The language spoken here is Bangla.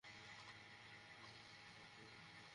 আমি আপনাকে বাঁচাবো, মা!